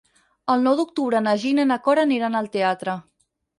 El nou d'octubre na Gina i na Cora aniran al teatre.